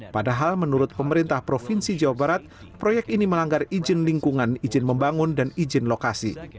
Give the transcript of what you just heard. padahal menurut pemerintah provinsi jawa barat proyek ini melanggar izin lingkungan izin membangun dan izin lokasi